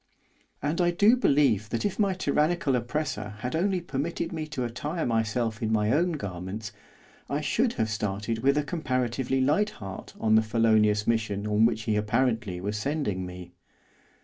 And I do believe that if my tyrannical oppressor had only permitted me to attire myself in my own garments, I should have started with a comparatively light heart on the felonious mission on which he apparently was sending me.